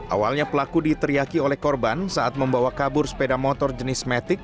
awalnya pelaku diteriaki oleh korban saat membawa kabur sepeda motor jenis matic